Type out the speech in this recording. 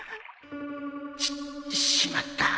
しっしまった。